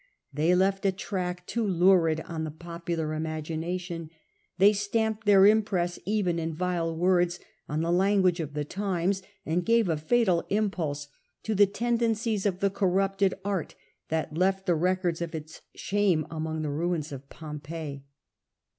They left a track too lurid on the popular imagination, they Korean we stamped their impress even in vile words on set the language of the times, and gave a fatal debauchery impulse to the tendencies of the corrupted a'Capre». art that left the records of its shame among the ruins of Pompeii.